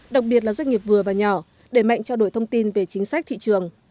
đặc biệt là doanh nghiệp vừa và nhỏ để mạnh trao đổi thông tin về chính sách thị trường